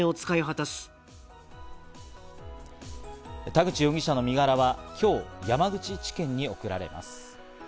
田口容疑者の身柄は今日、山口地検に送られます。